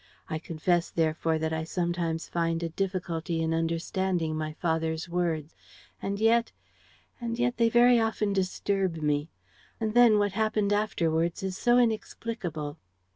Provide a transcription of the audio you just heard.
I confess, therefore, that I sometimes find a difficulty in understanding my father's words. And yet ... and yet they very often disturb me. And then what happened afterwards is so inexplicable."